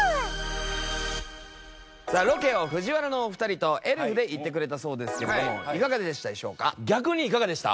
さあロケをＦＵＪＩＷＡＲＡのお二人とエルフで行ってくれたそうですけどもいかがでしたでしょうか？